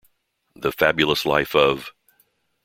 The Fabulous Life of...